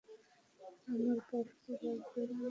আমার পাপ্পি লাগবে, আম্মু।